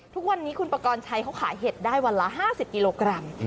ทุกวันนี้คุณประกอบชัยเขาขายเห็ดได้วันละ๕๐กิโลกรัม